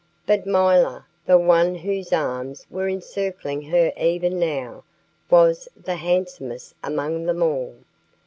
But milor the one whose arms were encircling her even now was the handsomest among them all.